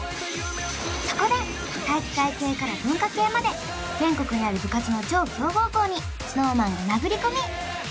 そこで体育会系から文化系まで全国にある部活の超強豪校にＳｎｏｗＭａｎが殴り込み！